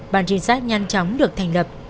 ban trinh sát nhanh chóng được thành lập